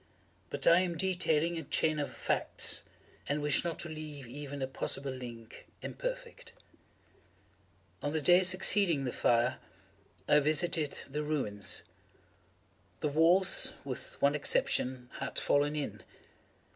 But I am detailing a chain of facts—and wish not to leave even a possible link imperfect. On the day succeeding the fire, I visited the ruins. The walls, with one exception, had fallen in.